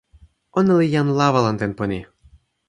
ona li jan lawa lon tenpo ni.